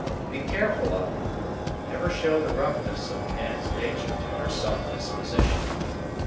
Be careful of her, and never show the roughness of man's natur' to her soft disposition.